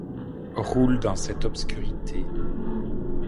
Roulent dans cette obscurité !